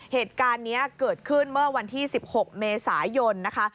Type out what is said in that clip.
เหตุการณ์นี้เกิดขึ้นเมื่อวันที่๑๖เมษายนนะคะ